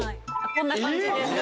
こんな感じです。